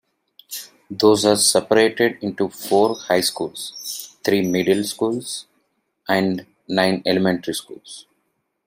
Those are separated into four high schools, three middle schools, and nine elementary schools.